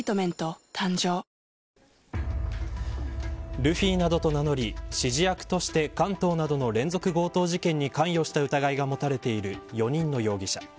ルフィなどと名乗り指示役として、関東などの連続強盗事件に関与した疑いが持たれている４人の容疑者。